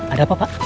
ada apa pak